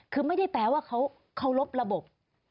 คือไม่ได้แปลว่าเขารบระบบ